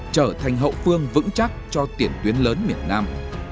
trở thành hậu phương vững chắc cho tiền tuyến lớn miền nam